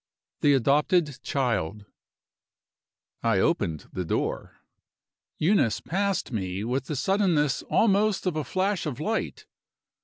THE ADOPTED CHILD I opened the door. Eunice passed me with the suddenness almost of a flash of light.